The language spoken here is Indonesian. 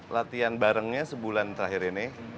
latihan barengnya sebulan terakhir ini